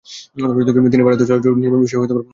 তিনি ভারতে চলচ্চিত্র নির্মাণ বিষয়ে পড়াশুনা করেন।